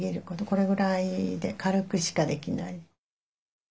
これぐらいで軽くしかできない。